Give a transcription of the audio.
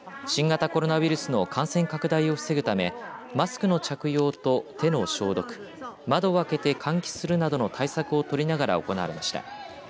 新型コロナウイルスの感染拡大を防ぐためマスクの着用と手の消毒窓を開けて換気するなどの対策を取りながら行われました。